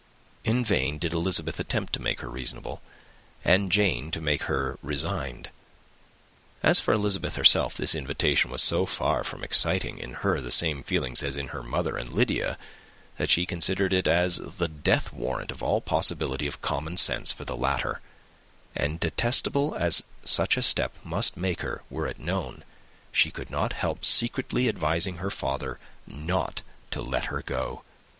In vain did Elizabeth attempt to make her reasonable, and Jane to make her resigned. As for Elizabeth herself, this invitation was so far from exciting in her the same feelings as in her mother and Lydia, that she considered it as the death warrant of all possibility of common sense for the latter; and detestable as such a step must make her, were it known, she could not help secretly advising her father not to let her go.